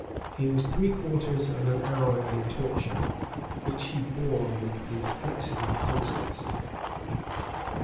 He was three quarters of an hour in torture, which he bore with inflexible constancy.